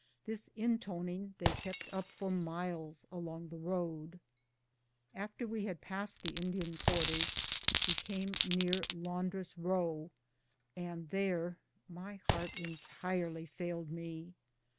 This inton ing they kept up for miles along the road. After we had passed the Indian quarters we came near Laundress Row, and there my heart entirely failed me.